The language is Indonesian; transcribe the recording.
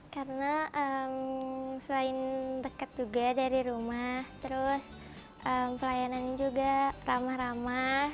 karena selain dekat juga dari rumah terus pelayanannya juga ramah ramah